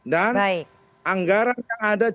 dan anggaran yang ada